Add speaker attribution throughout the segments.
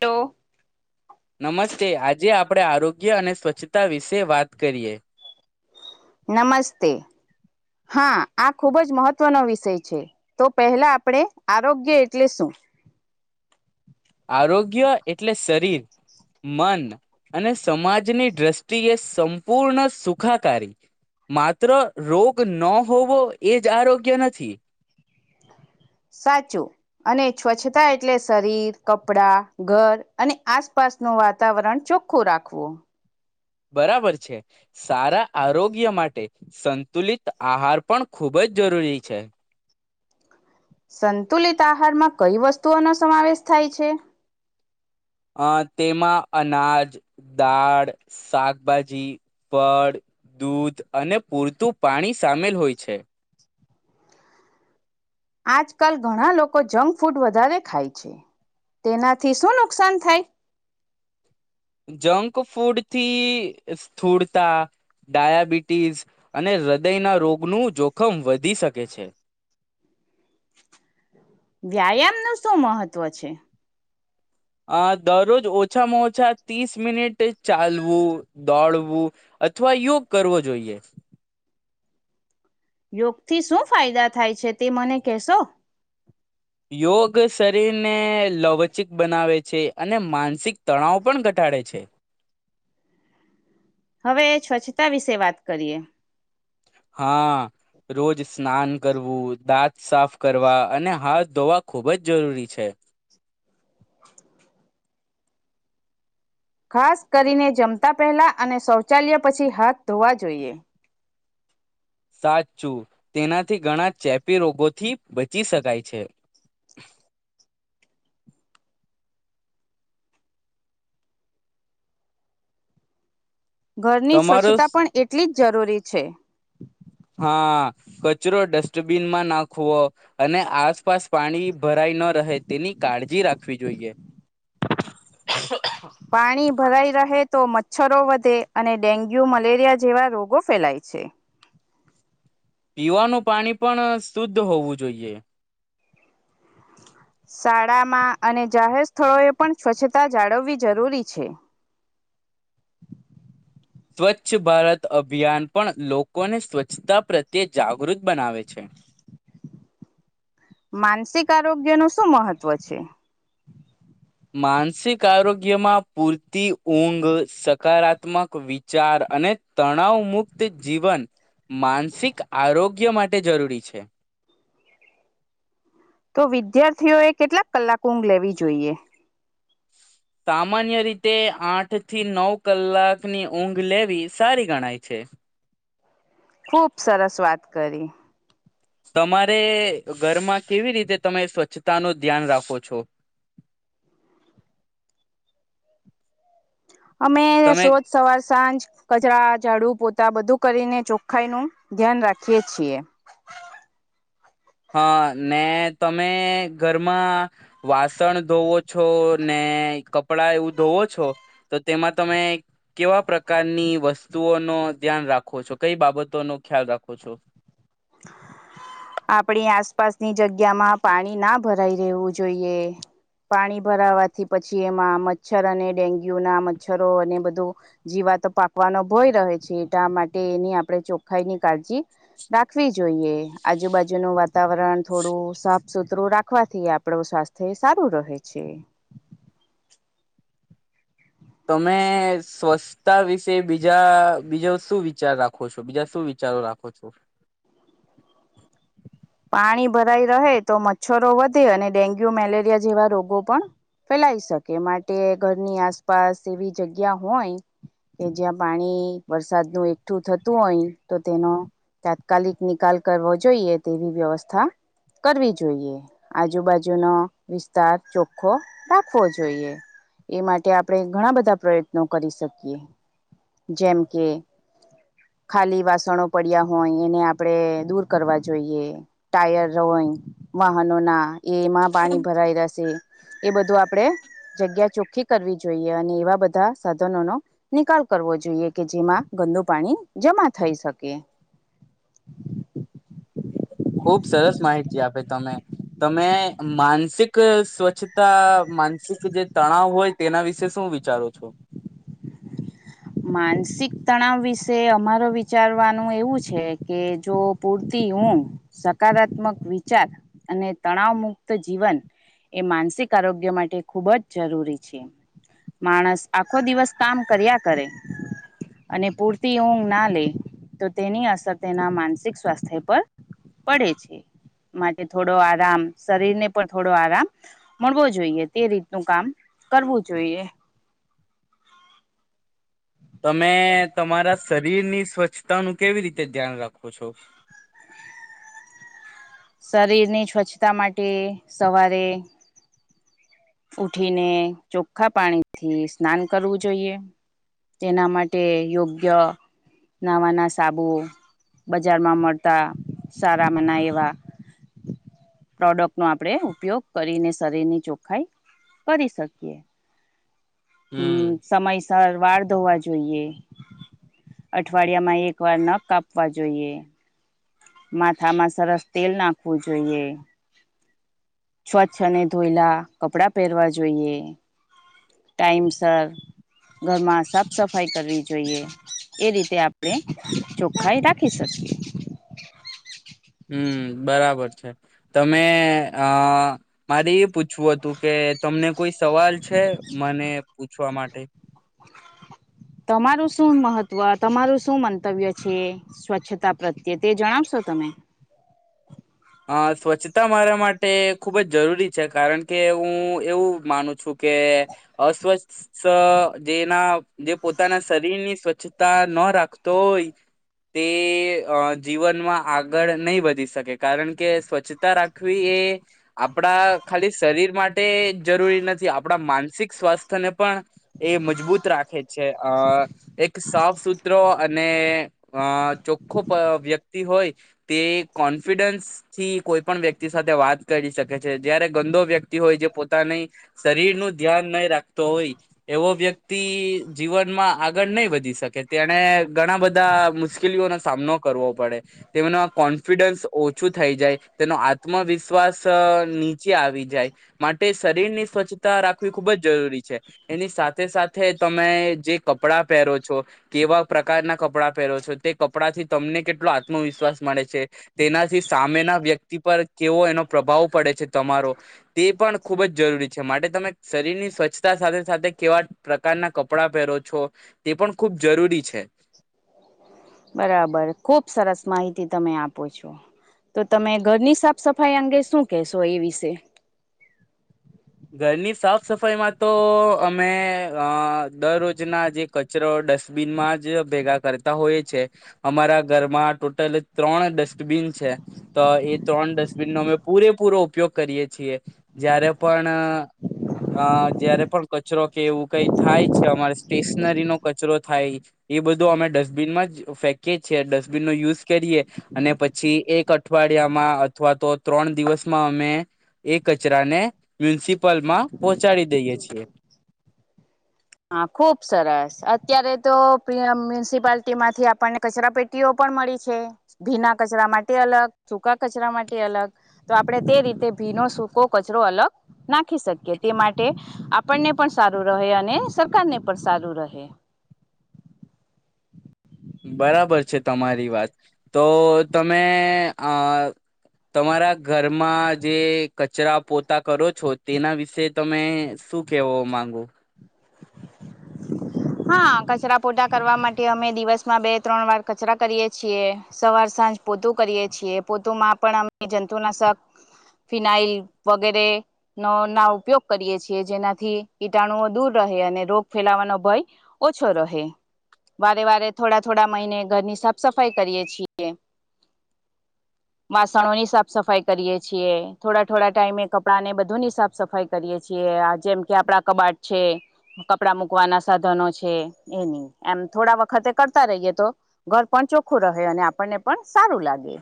Speaker 1: Hello.
Speaker 2: નમસ્તે આજે આપડે આરોગ્ય યોગ્ય અને સ્વચ્છતા વિશે વાત કરીએ
Speaker 1: નમસ્તે હા આ ખુબ જ મહત્વનો વિષય છે તો પહેલા આપણેે આરોગ્ય એટલે શું
Speaker 2: આરોગ્ય એટલે શરીર મન અને સમાજની દ્રષ્ટિએ સંપૂર્ણ સુખાકારી માત્ર રોગ ન હોવો એ જ આરોગ્ય નથી
Speaker 1: સાચું અને સ્વચ્છતા એટલે શરીર કપડા ઘર અને આસપાસનું વાતાવરણ ચોખ્ખું રાખવું
Speaker 2: બરાબર છે સારા આરોગ્ય માટે સંતુલિત આહાર પણ ખૂબ જ જરૂરી છે
Speaker 1: સંતુલિત આહારમાં કઈ વસ્તુઓનો સમાવેશ થાય છે
Speaker 2: અ તેમાં અનાજ દાળ શાકભાજી ફળ દૂધ અને પૂરતું પાણી સામેલ હોય છે
Speaker 1: આજકાલ ઘણા લોકો જંક ફૂડ વધારે ખાય છે તેનાથી શું નુકસાન થાય
Speaker 2: જંક ફૂડથી સ્થૂળતા ડાયાબિટીસ અને હૃદયના રોગનું જોખમ વધી શકે છે
Speaker 1: વ્યાયામ નું શું મહત્વ છે
Speaker 2: આ દરરોજ ઓછામાં ઓછા ત્રીસ મિનિટ ચાલવું દોડવું અથવા યોગ કરવો જોઈએ
Speaker 1: યોગથી શું ફાયદા થાય છે, તે મને કહેશો
Speaker 2: યોગ શરીર ને લવચિક બનાવે છે. છે, અને માનસિક તણાવ પણ ઘટાડે છે.
Speaker 1: હવે સ્વચ્છતા વિશે વાત કરીએ
Speaker 2: હા રોજ સ્નાન કરવું દાંત સાફ કરવા અને હાથ ધોવા ખૂબ જ જરૂરી છે.
Speaker 1: ખાસ કરીને જમતા પહેલાં અને શૌચાલય પછી હાથ ધોવા જોઈએ.
Speaker 2: સાચચું તેનાથી ઘણા ચેપી રોગોથી બચી શકાય છે.
Speaker 1: ઘરની
Speaker 2: તમારો
Speaker 1: સ્વચ્છતા પણ એટલી જ જરૂરી છે.
Speaker 2: હા કચરો ડસ્ટબીનમાં નાખવો અને આસપાસ પાણી ભરાઈ ન રહે તેની કાળજી રાખવી જોઈએ.
Speaker 1: પાણી ભરાઈ [unintelligible] તો મચ્છરો વધે અને ડેન્ગ્યુ મલેરિયા જેવા રોગો ફેલાય છે.
Speaker 2: પીવાનું પાણી પણ શુદ્ધ હોવું જોઈએ.
Speaker 1: શાળામાં અને જાહેર સ્થળો એ પણ સ્વચ્છતા જાળવવી જરૂરી છે.
Speaker 2: સ્વચ્છ ભારત અભિયાન પણ લોકોને સ્વચ્છતા પ્રત્યે જાગૃત બનાવે છે.
Speaker 1: માનસિક [unintelligible] નું શું મહત્વ છે.
Speaker 2: માનસિક આરોગ્યમાં પૂરતી ઊંઘ સકારાત્મક વિચાર અને તણાવ મુુક્ત જીવન માનસિક આરોગ્ય માટે જરૂરી છે.
Speaker 1: તો વિદ્યાર્થીઓ એ કેટલાક કલાક લેવી જોઈએ.
Speaker 2: સામાન્ય રીતે આઠ થી નવ કલાકની ઊંઘ લેવી સારી ગણાય છે.
Speaker 1: ખુબ સરસ વાત કરી.
Speaker 2: તમારે ઘરમાં કેવી રીતે તમે સ્વચ્છતા નું ધ્યાન રાખો છો.
Speaker 1: અમે
Speaker 2: તમે
Speaker 1: [unintelligible] સવાર સાંજ. કચરા [unintelligible] પોતા બધું કરીને ચોખ્ખાઈ નું ધ્યાન રાખીએ છીએ.
Speaker 2: હા ને તમે ઘરમાં. વાસણ ધોવો છો ને. [unintelligible] એવું ધોવો છો તો તેમાં તમે કેવા પ્રકારની [unintelligible] [unintelligible] નો ધ્યાન રાખો છો. કઈ બાબતો નો ખ્યાલ રાખો છો.
Speaker 1: આપણી આસપાસની જગ્યામાં પાણી ના ભરાઈ રહેવું જોઈએ પાણી ભરાવાથી પછી એમાં મચ્છર અને ડેન્ગ્યુ ના મચ્છરો અને બધો જીવાતો પાકવાનો ભય રહે છે, [unintelligible] માટે એની આપણે ચોખ્ખાઈની કાળજી. રાખવી જોઈએ આજુબાજુનું વાતાવરણ થોડું સાફ સુથરું રાખવાથી આપડું સ્વાસ્થ્ય સારું રહે છે.
Speaker 2: તમે સ્વચ્છતા વિશે બીજા બીજો શું વિચાર રાખો છો બીજા શું વિચારો રાખો છો.
Speaker 1: પાણી ભરાઈ રહે તો મચ્છરો વધે અને ડેન્ગ્યુ મેલેરિયા જેવા રોગો પણ ફેલાઈ શકે માટે ઘરની આસપાસ એવી જગ્યા હોય કે જ્યાં પાણી વરસાદનું એકઠું થતું હોય તો તેનો તાત્કાલિક નિકાલ કરવો જોઈએ. તેવી વ્યવસ્થા કરવી જોઈએ આજુબાજુનો વિસ્તાર ચોખ્ખો રાખવો જોઈએ એ માટે આપણે ઘણા બધા પ્રયત્નો કરી શકીએ જેમ કે ખાલી વાસણો પડ્યા હોય એને આપણે દૂર કરવા. જોઈએ ટાયર રોઈ વાહનો ના. એમાં પાણી ભરાઈ [unintelligible] એ બધું આપણેે જગ્યા ચોખ્ખી કરવી જોઈએ અને એવા બધા [unintelligible] નિકાલ કરવો જોઈએ કે જેમાં ગંદુ પાણી જમા થઈ શકે.
Speaker 2: ખુબ સરસ માહિતી આપે તમે તમે માનસિક સ્વચ્છતા માનસિક જે તણાવ હોય તેના વિશે શું વિચારો છો.
Speaker 1: માનસિક તણાવ વિશે અમારો વિચારવાનું એવું છે, કે જો પૂરતી ઊંઘ સકારાત્મક વિચાર અને તણાવ મુક્ત જીવન એ માનસિક આરોગ્ય માટે ખૂબ જ જરૂરી છે, માણસ. આખો દિવસ કામ કર્યા. અને પૂરતી ઊંઘ ના, લે તો, તેની અસર તેના માનસિક સ્વાસ્થ્ય પર પડે છે માટે થોડો આરામ શરીરને પણ થોડો આરામ મળવો જોઈએ તે રીતનું કામ કરવું. જોઈએ.
Speaker 2: શરીર ની સ્વચ્છતા નું કેવી રીતે ધ્યાન રાખો છો.
Speaker 1: શરીરની સ્વચ્છતા માટે સવારે. ઉઠીને ચોખ્ખા પાણી થી સ્નાન કરવું. જોઈએ તેના માટે યોગ્ય નાવાના સાબુ બજારમાં મળતા સારા મના એવા પ્રોડક્ટનોો આપણે ઉપયોગ કરીને, શરીરની ચોખ. ખાઈ કરી શકીએ. હમ સમયસર. વાર ધોવા જોઈએ અઠવાડિયામાં એક વાર ન કાપવા જોઈએ. માથામાં સરસ તેલ નાખવું જોઈએ. સ્વ્છને ધોયેલા કપડા પહેરવા જોઈએ. ટાઈમસર ઘરમાં સાફ સફાઈ કરવી. જોઈએ એ રીતે આપણે ચોખ્ખાઈ રાખી શકીએ.
Speaker 2: હમ બરાબર છે. તમે અ મારે એ પૂછવું હતું કે, તમને કોઈ. સવાલ છે, મને પૂછવા માટે. એ.
Speaker 1: તમારું શું મહત્વ તમારું શું મંતવ્ય છે સ્વચ્છતા પ્રત્યે તે જણાવશો તમે.
Speaker 2: અ સ્વચ્છતા મારા માટે ખૂબ જ જરૂરી છે કારણ કે હું એવું માનું છું, કે અસ્વચ્છ જેના જે પોતાના શરીરની સ્વચ્છતા ન રાખતો હોય તે જીવનમાં આગળ નહી વધી શકે. કારણ કે સ્વચ્છતા રાખવી એ આપણા ખાલી શરીર માટે જરૂરી નથી, આપણા માનસિક સ્વાસ્થ્યને પણ. એ મજબૂત રાખે છે અ એક સાફ સુથરો. અને અ ચોખ્ખો વ્યક્તિ હોય તે કો. કોન્ફિડન્સ થી કોઈ પણ વ્યક્તિ સાથે વાત કરી શકે છે જયારે ગંદો વ્યક્તિ હોય જે પોતાની. શરીર નું ધ્યાન નહી રાખ. હોય એવો વ્યક્તિ જીવનમાં આગળ નહી, વધી શકે તેને ઘણા બધા મુશ્કેલીઓનો સામનો કરવો પડે તેમનો કોન્ફિડન્સ. ઓછું થઈ જાય તેનો આત્મવિશ્વાસ નીચે આવી જાય માટે શરીરની સ્વચ્છતા રાખવી ખૂબ જ જરૂરી છે એની સાથે સાથે તમે જે કપડાં પહેરો છો કેવા પ્રકારના કપડાં પહેરો છો તે કપડાં થી તમને કેટલો આત્મવિશ્વાસ મળે છે. તેનાથી સામેના વ્યક્તિ પર કેવો એનો પ્રભાવ પડે છે તમારો. તે પણ ખૂબ જ જરૂરી છે માટે તમે. શરીરની સ્વચ્છતા સાથે સાથે કેવા પ્રકારના કપડાં પહેરો છો તે પણ ખૂબ જરૂરી છે.
Speaker 1: બરાબર ખુબ સરસ માહિતી તમે આપો છો તો તમે ઘરની સાફ સફાઈ અંગે શું કશો એ વિશે.
Speaker 2: ઘરની સાફ સફાઈમાં તો અમે અ દરરોજના જે કચરો ડસ્ટબિનમાં જ ભેગા કરતા હોય છે અમારા ઘરમાં ટોટલ. ત્રણ ડસ્ટબીન છે તો એ ત્રણ ડસ્ટબીન નો અમે પૂરેપૂરો. ઉપયોગ કરીએ છીએ જયારે. પણ, અ જયારે પણ કચરો કે એવું કઈ થાય છે અમારે સ્ટેશનરીનોો કચરો થાય એ બધો અમે ડસ્ટબિનમાં જ ફેંકીએ છીએ ડસ્ટબિનનોો યુઝ કરીએ અને પછી એક અઠવાડિયામાં અથવા તો ત્રણ દિવસમાં અમે એ કચરાને. મ્યુનિસિપલ માં પહોંચાડી દઈએ છીએ.
Speaker 1: હા ખુબ સરસ અત્યારે તો મ્યુનિસિપાલટી માંથી આપણને કચરા પેટીઓ પણ મળી છે ભીના કચરા માટે અલગ સૂકા કચરા માટે અલગ તો આપણે તે રીતે ભીનો સૂકો કચરો અલગ નાખી શકીએ તે માટે આપણને પણ સારું રહે અને. સરકાર ને પણ સારું રહે.
Speaker 2: બરાબર છે તમારી વાત તો તમે અ તમારા ઘરમાં જે કચરા પોતા કરો છો તેના વિશે તમે શું કેવા માંગો.
Speaker 1: હા કચરા પોટા કરવા માટે અમે દિવસમાં બે ત્રણ વાર કચરા કરીએ છીએ સવાર સાંજ પોતું કરીએ છીએ પોતુ માં પણ અમે જંતુનાશક ફિનાઈલ વગેરે નો ના ઉપયોગ કરીએ છીએ જેનાથી. ટાણુ દૂર રહે અને રોગ ફેલાવાનો ભય ઓછો રહે વારે વારે થોડા થોડા મહિને ઘરની સાફ સફાઈ કરીએ છીએ વાસણોની સાફ સફાઈ કરીએ છીએ થોડા થોડા ટાઈમે કપડાને બધુંની સાફ સફાઈ કરીએ છીએ જેમ કે આપડા. કબાટ છે કપડા મૂકવાના સાધનો છે. એની એમ થોડા વખતે કરતા રહીએ તો ઘર પણ ચોખ્ખું રહે અને આપણને પણ સારું લાગે.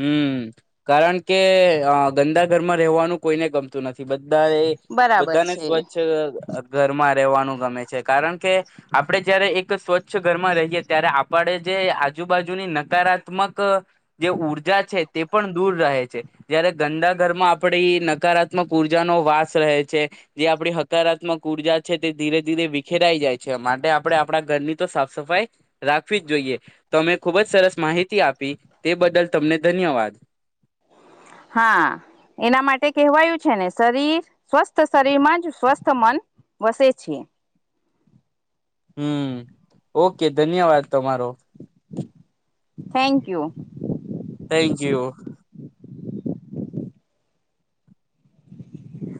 Speaker 2: હમ કારણ કે ગંદા ઘરમાં રહેવાનું કોઈને ગમતું નથી બધ. બા એ
Speaker 1: બરાબર
Speaker 2: બધાને
Speaker 1: છે
Speaker 2: સ્વચ્છ ઘરમાં રહેવાનું. ગમે છે કારણ કે આપડણે જયારે એક સ્વચ્છ ઘરમાં રહીએ ત્યારે આપણે જે આજુબાજુની નકારાત્મક જે. છે તે પણ દૂર રહે છે જયારે ગંદા ઘરમાં આપડી નકારાત્મક ઉઊર્જાનોો વાસ રહે છે જે આપડી હકારાત્મક ઉર્જા છે તે ધીરે ધીરે વિખેરાઈ જાય છે માટે આપણે આપણા ઘરની તો સાફ સફાઈ રાખવી જ જોઈએ તો અમે ખુબ જ સરસ માહિતી આપી તે બદલ. તમને ધન્યવાદ.
Speaker 1: હા એના માટે કેહેવાયું છે ને શરીર, સ્વસ્થ શરીર માં જ સ્વસ્થ મન વસે છે.
Speaker 2: હમ્મ. ઓકે ધન્યવાદ તમારો.
Speaker 1: Thank you.
Speaker 2: Thank you.